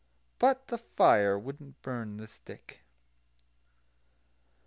But the fire wouldn't burn the stick.